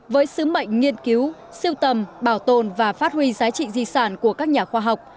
với sứ mệnh nghiên cứu siêu tầm bảo tồn và phát huy giá trị di sản của các nhà khoa học